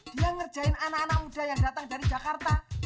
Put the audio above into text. dia ngerjain anak anak muda yang datang dari jakarta